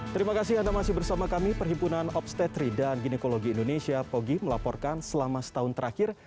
terima kasih anda masih bersama kami perhimpunan obstetri dan ginekologi indonesia pogi melaporkan selama setahun terakhir